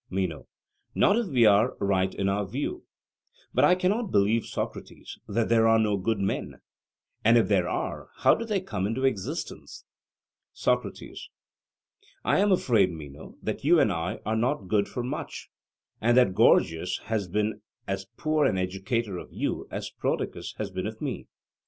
MENO: Not if we are right in our view. But I cannot believe, Socrates, that there are no good men: And if there are, how did they come into existence? SOCRATES: I am afraid, Meno, that you and I are not good for much, and that Gorgias has been as poor an educator of you as Prodicus has been of me.